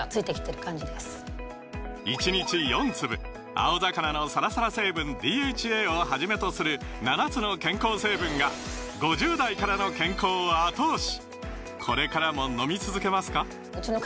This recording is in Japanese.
青魚のサラサラ成分ＤＨＡをはじめとする７つの健康成分が５０代からの健康を後押し！